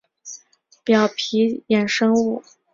表皮衍生物包括腺体和表皮外骨骼。